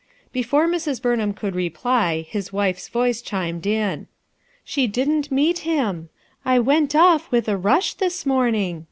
Before Mrs, Burnham could reply, his wife's voice chimed in. "She didn't meet him. I went off with a rush, this morning.